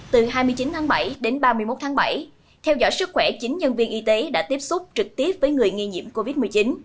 từ hai mươi chín tháng bảy đến ba mươi một tháng bảy theo dõi sức khỏe chính nhân viên y tế đã tiếp xúc trực tiếp với người nghi nhiễm covid một mươi chín